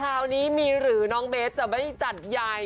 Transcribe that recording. คราวนี้มีหรือน้องเบสจะไม่จัดใหญ่